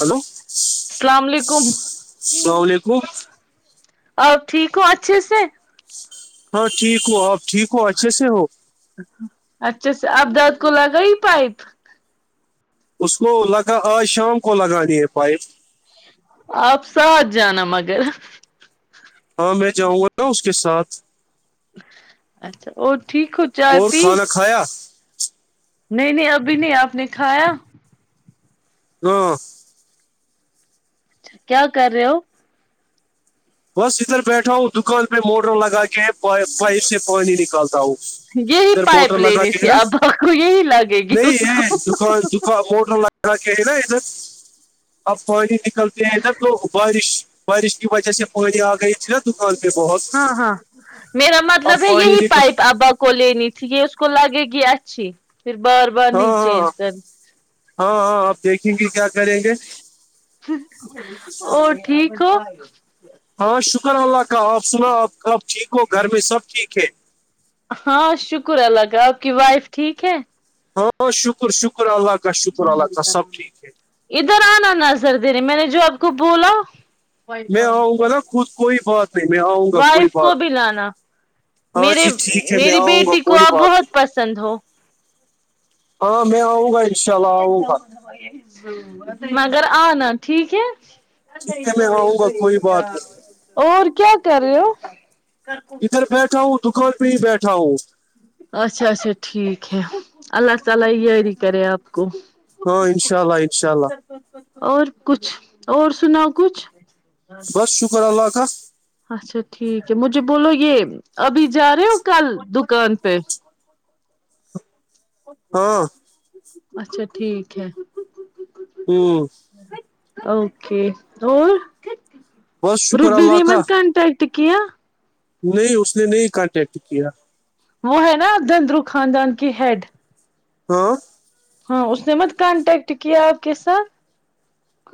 Hello السلام علیکم اسلام علیکم اور ٹھیک ہووں اچھے سے ہاں ٹھیک ہو آپ ٹھیک ہو اچھے سے ہو اچھا اچھا ابداد کو لگا ہی پائپ اس کو لگا آج شام کو لگاانی ہے پائپ آپ ساتھ جانا مگر ہاں میں جاؤں گا نا اس کے ساتھ اچھا اور ٹھیک ہو چائے اور پی کھانا کھایا نہیں نہیں ابھی نہیں آپ نے کھایا ہاں اچھا کیا کر رہے ہو بس ادھر بیٹھا ہوں دکان پہ موٹر لگا کے پائپ سے پانی نکالتا ہوں یہی ادھر پائپ موٹر لگا لینی کے ہے تھی نا اب آ کو یہی لگے گی اس کا دان دان مٹر لگا کے ہے نا ادھر اب پانی نکلتے ہیں ادھر تو بارش بارش کی وجہ سے پانی آ گئی تھی ن دکان پہ بہت ہاں ہاں میرا مطلب آپ ہے پانی یہی نکل پائپ ابا کو لینی تھی یہ اس کو لگے گی اچھی پھر بار بار ہاں نہیں ہاں چینج کرنی ہاں ہاں آپ دیکھیں گے کیا کریں گے ہم اور ٹھیک ہو ہاں شکر اللہ کا آپ سناو آپ آب ٹھیک ہو گھر میں سب ٹھیک ہے ہاں شکر اللہ کا آپ کی وائف ٹھیک ہے ہاں شکر شکر اللہ کا شکر اللہ کا سب ٹھیک ہے ادھر آنا نظر دنے میں نے جو آپ کو بولا میں آؤں گا نا خود کوئی بات نہیں میں آؤں گا کوئی وائف کو بات بھی نہیں لانا ہاں میرے جی ٹھیک ہے میں میری آؤں گا بیٹی کو کوئی آپ بات بہت نہیں پسند ہو ہاں میں اؤں گا ہی ہم مگر آناا ٹھیک ہے ٹھیک ہے میں آؤں گا کوئی بات نہیں اور کیا کر رہے ہو ادھر بیٹھا ہوں دکان پہ ہی بیٹھا ہوں اچھا اچھا ٹھیک ہے اللہ تعالی یہیاری کرے آپ کو ہاں انشاء اللہ انشاء اللہ اور کچھ اور سناؤ کچھ بس شکر اللہ کا اچھا ٹھیک ہے مجھے بولو یہ ابھی جا رہے ہو کل دکان پہ ہاں اچھا ٹھیک ہے ہوں اوکے اور بس شکر روبی ن اللہ کا مت کانٹٹ تکیہ نہیں اس نے نہیں کانٹیکٹ کیا وہ ہے نا آب دندرو خاندان کی ہیڈ ہاں ہاں اس نے مت کانٹیکٹ کیا آپ کے ساتھ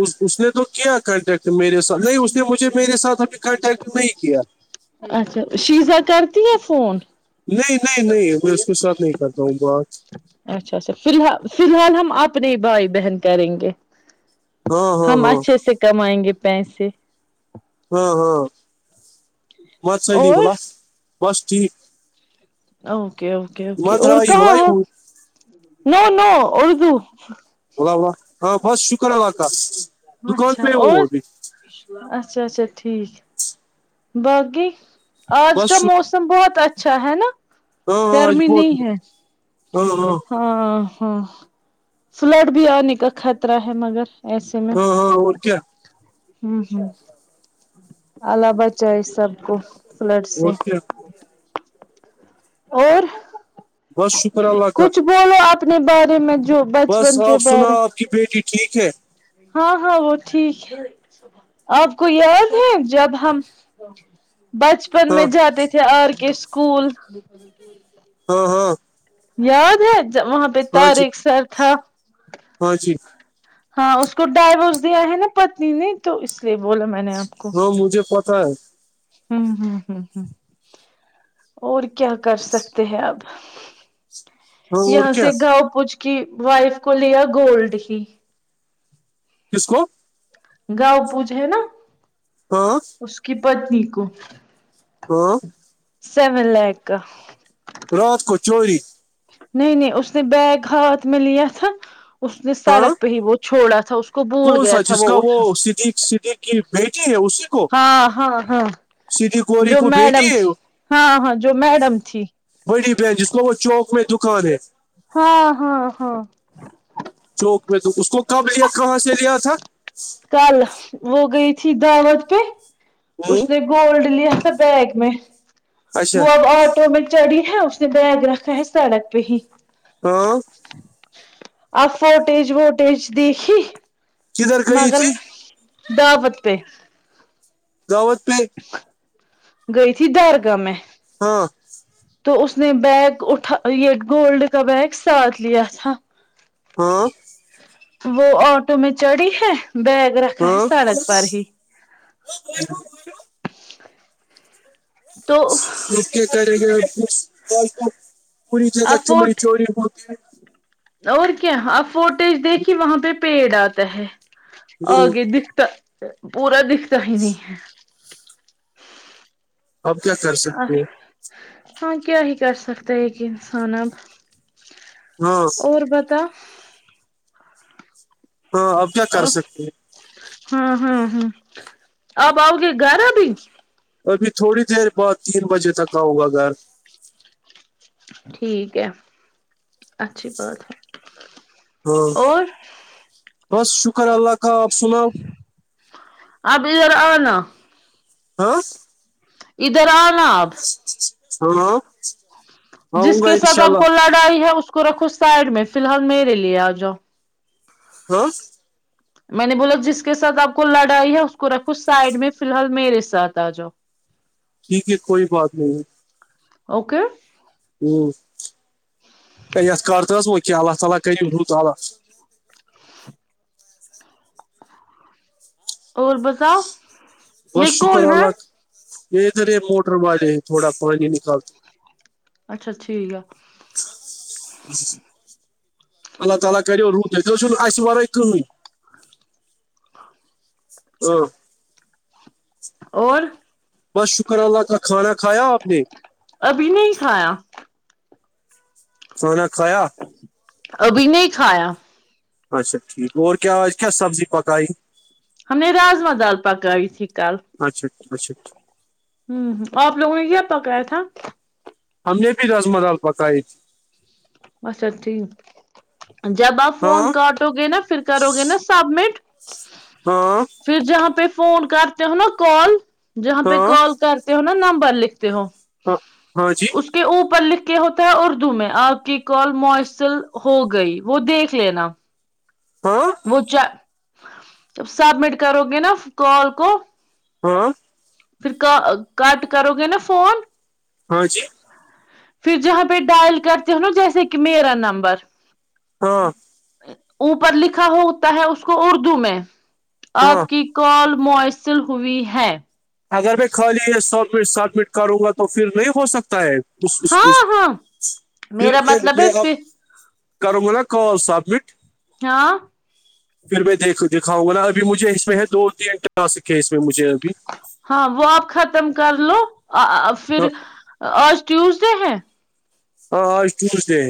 اس اس نے تو کیا کانٹیکٹ میرے ساتھ نہیں اس نے مجھے میرے ساتھ ابھی کانٹیکٹ نہیں کیا اچھا شیزا کرتی ہے فون نہیں نہیں نہیں میں اس کو ساتھ نہیں کرتا ہوں بات اچھا اچھا فی الحال فی الحال ہم اپنے ہی بھائی بہن کریں گے ہاں ہاں ہم ہاں اچھے سے کمائیں گے پیسے ہاں ہاں بت صحیح اور بولا بس ٹھیک اوکے اوکے اوکے مت اور رہا یہ کہاں ہو بلائی نو نو اردو بولا بولا ہاں بت شکر ہے بات اچھا اور اچھا اچھا ٹھیک باقی آج بس کا ش موسم بہت اچھا ہے نا ہاں ہاں آج گرمی بہت نہیں ہے ہاں ہاں ہاں ہاں فلڈ بھی آنے کا خطرہ ہے مگر ایسے میں ہاں ہاں اور کیا ہ ہ اللہ بچ چائے سب کو فلڈ سے اور کیا اور بس شکر اللہ کا کچھ بولو اپنے بارے میں جو بس بچپن کے آپ سنا بارے آپ کی بیٹی ٹھیک ہے ہاں ہاں وہ ٹھیک ہے آپ کو یاد ہے جب ہم بچ پن میں ہاں جاتے تھے آر کے اسکول ہاں ہاں یاد ہے وہاں پہ ہاں جی طارخ سر تھا ہاں جی ہاں اس کو ڈائیورس دیا ہے نا پتنی نے تو اس لیے بولا میں نے آپ کو ہاں مجھے پتا ہے ہوں ہوں ہ ہ اور کیا کر سکتے ہیں اب ہاں اور یہاں کیا سے گاؤں پوچھ کی وائف کو لیا گولڈ ہی کس کو گاؤں پوج ہے نا ہاں اس کی پتنی کو ہاں سیون لاکھ کا رات کو چوری نہیں نہیں اس نے بیگ ہاتھ میں لیا تھا اس نے ہاں سڑک پہ ہی وہ چھوڑا تھا اس کو بھول کون گیا سا تھا جس وہ کا اٹھا صدیق صدیق کی بیٹی ہے اسی کو ہاں ہاں ہاں سیدھی گوری جو کو بیٹی میڈم ہے تھی ہاں ہاں جو میڈم تھی بڑی بین جس کو وہ چوک میں دکان ہے ہاں ہاں ہاں چوک میں تو اس کو کب لیا کہاں سے لیا تھا کل وہ گئی تھی دعوت پہ ہوں اس نے گولڈ لیا تھا بیگ میں اچھا وہ اب آٹو میں چڑھی ہے اس بیگ رکھا ہی سڑک پہ ہی ہاں آپ فوٹیج ووٹیج دیکھی کدھر گئی مگر تھی دعوت پہ دعوت پہ گئی تھی درگاہ میں ہاں تو اس نے بیگ اٹھا یہ گولڈ کا بیگ ساتھ لیا تھا ہاں وہ آٹو میں چڑھی ہے بیگ رکھا ہے ہاں سڑک پر ہی [unintelligible] تو کرے گئےالتو [unintelligible] پوری جگہ اب چمڑی فوٹ چوری ہوتی ہے اور کیا آپ فوٹیج دیکھی وہاں پہ پیڑ آتا ہے ہ آگے دکھتا پورا دکھتا ہی نہیں ہے اب کیا کر سکتے ہو ہاں کیا ہی کر سکتا ہے ایک انسان اب ہاں اور بتا ہاں اب کیا کر اور سکتے ہیں ہاں ہاں ہاں اب آؤ گے گھر ابھی ابھی تھوڑی دیر بعد تین بجے تک آؤں گا گھر ٹھیک ہے اچھی بات ہے ہاں اور بس شکر اللہ کا آپ سناؤ آپ ادھر آ نا ہاں ادر آنا آپ سنو جس کے سب آپ کو لڑائی ہے اس کو رکھو سائڈ میں فلحال میرے لیے آ جاؤ [unintelligible] میں نے بولا جس کے ساتھ آپ کو لڑائی ہے اس کو رکھو سائڈ میں فلحل میرے ساتھ آ جاؤ ٹھیک ہے کوئی بات نہیں اوکے [unintelligible] اور بتاؤ بس یہ شکر کون ہے اللہ ادھر یہ موٹر والے تھوڑا پانی نکالتا [unintelligible] اچھا [unintelligible] اللہ تعالی ہوں اور بس شکر اللہ کا کھانا کھایا آپ نے ابھی نہیں کھایا کھانا کھایا ابھی نہیں کھایا اچھا ٹھیک اور کیا آج کیا سبزی پکائی ہم نے راجما دال پکائی تھی کل اچھا اچھا ہم ہمم آپ لوگوں نے کیا پکایا تھا ہم نے بھی رجما دال پکائی اچھا ٹھیک جب آپ ہاں فون کاٹ دو گے نا پھر کرو گے نا سبمٹ ہاں پھر جہاں پہ فون کرتے ہو نا کال جہاں پہ ہاں کال کرتے ہو نا نمبر لکھتے ہو ہاں ہاں جی اس کے اوپر لکھ کے ہوتا ہے اردو میں آپ کی کال مؤسل ہو گئی وہ دیکھ لینا ہاں وہ جب سبمٹ کرو گے نا کال کو ہاں پھر کا کٹ کرو گے نا فون ہاں جی پھر جہاں پہ ڈائل کرتے ہو نا جیسے کہ میرا نمبر ہاں اوپر لکھا ہوتا ہے اس کو اردو میں آپ ہاں کی کال موسل ہوئی ہے اگر میں خالی یہ سبمٹ سبمٹ کروں گا تو پھر نہیں ہو سکتا ہے اس اس ہاں اس ہاں میرا پھرمیں مطلب ہے میں آپ پھر کرو گا نا کال سبمٹ ہاں پھر میں د دکھاؤ گا نا ابھی مجھے اس میں ہے دو تین ٹاسک کے اس میں مجھے ابھی ہاں وہ اب ختم کر لو ا پھر ہاں آج ٹیوزڈے ہے ہاں آج ٹوزڈے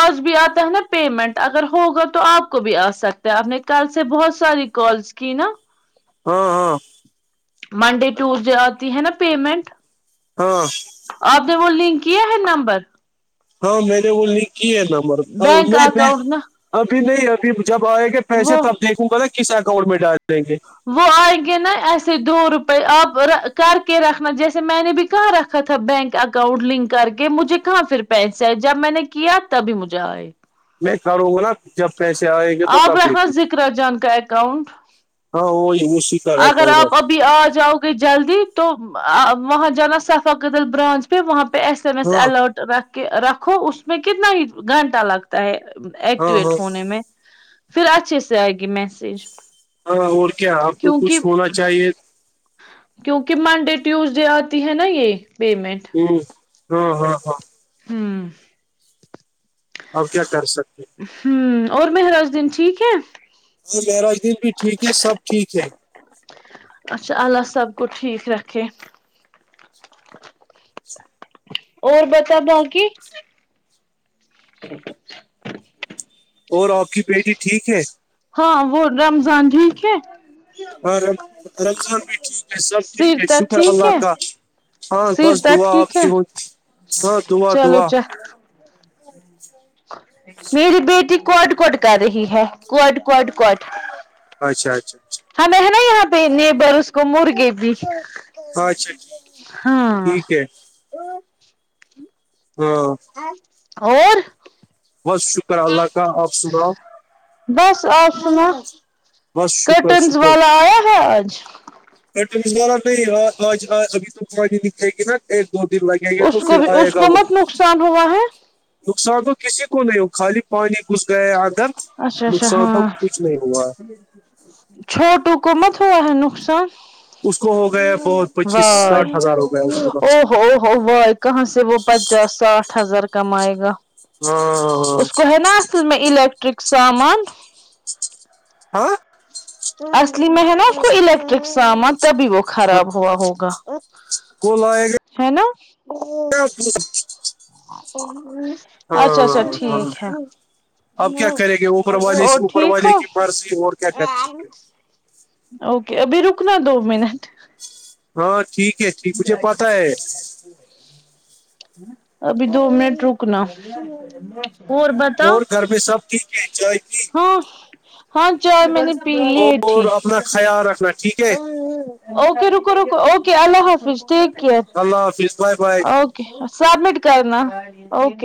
آج بھی آتا ہے نا پیمنٹ اگر ہوگا تو آپ کو بھی آ سکتا ہے آپ نے کل سے بہت ساری کالس کی نا ہاں ہاں منڈے ٹوزڈے آتی ہے نا پیمنٹ ہاں آپ نے وہ لنک کیا ہے نمبر ہاں میں نے وہ لنک کیا ہے نمبر بینک میں میں اکاؤنٹ نا ابھی نہیں ابھی جب آئے گے پیسے وہ تب دیکھوں گا نا کس اکاؤنٹ میں ڈال دیں گے وہ آئیں گے ن ایسے دو روپئے آپ کر کے رکھنا جیسے میں نے بھی کہاں رکھا تھا بینک اکاؤنٹ لنک کر کے مجھے کہاں پھر پیسے ہے جب میں نے کیا تبھی مجھے آئے میں کروں گا نا جب پیسے آئیں گے تو آپ تب رکھنا دیکھوں ذکر جان کا اکاؤنٹ ہاں وہ یہیں سے اگر آپ ابھی آ جاؤ گے جلدی تو ا وہاں جانا صفا کدل برانچ پہ وہاں پہ ایس ایم ایس ہاں الرٹ رکھ کے رکھو اس میں کتنا ہی گھنٹہ لگ تا ہے ہاں ایکٹیویٹ ہاں ہونے میں پھر اچھے سے آئے گی میسج ہاں اور کیا اب تو کیونکہ کچھ ہونا چاہیے کیونکہ منڈے ٹیوزڈے آتی ہے نا یہ پیمنٹ ہوں ہاں ہاں ہاں ہوں اور کیا کر سکتے ہیں۔ ہوں اور مہرز دن ٹھیک ہے اور میہرز دن بھی ٹھیک ہے سب ٹھیک ہے اچھا اللہ سب کو ٹھیک رکھے اور بتا بانکی [inaudible] اور آپ کی بیٹی ٹھیک ہے ہاں وہ رمضان ٹھیک ہے ہاں رمض رمضان بھی ٹھیک ہے سب ٹھیک ہے سیرتا شکر ٹھیک اللہ ہے کا ہاں بس سیرتا دوا آپ ٹھیک ہے کی ہوں ہاں دوا چلو دوا چ میری بیٹی کوٹ کوٹ کر رہی ہے کوٹ کوٹ کوٹ اچھ اچھ اچھا ہم ہے نا یہاں پہ نیبر اس کو مرغے بھی ہاں اچھا ٹھیک ہاں ٹھیک ہے ہاں اور بس شکر اللہ کا آپ سناؤ بس آپ ساں بس شکر کرٹنز شکر والا آیا تھا آج [unintelligible] ایک دو دن لگے گے اس تو کو پھر بھی آئے اس گا کو وہ مت نقصان ہوا ہے نقصان تو کسی کو نہیں ہو خالی پانی گھس گیا ادر اچھا اچھا ہاں چھوٹو کو مت ہوا ہیں نقصان اس کو ہو گیا بہت پچیس وائے ساٹھ ہزار ہو گیا اس کو او نقصان ہو ہو وائے کہاں سے وہ پچاس ساٹھ ہزار کمائے گا ہاں اس کو ہے نا سال میں الییکٹرک سامان ہاں اصلی میںح ہے نا اسکو الیکٹرک سامان تبھی وہ خراب ہوا ہوگا کو لائے گا ہے نا اچھا ہاں اچھا ہاں ٹھیک ہے اب کیا کریں گے اوپر والے اور اوپر ٹھیک والے ہو کی مرضی اور کیا کر سکتے اوکے ابھی روکنا دو منٹ ہاں ٹھیک ہے ٹھیک مجھے پتا ہے ابھی دو منٹ رکنا اور بتاؤ اور گھر میں سب ٹھیک ہے چائے پی ہاں ہاں چائے میں نے پی لیے تھی اور اپنا خیال رکھنا ٹھیک ہے اوکے روکو روکو اوکے اللہ حافظ ٹیک کیئر اللہ حافظ بائے بائے اوکے سبمٹ کرنا اوکے